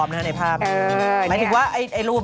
มาค่ะแล้วปิดไลการกันแล้ว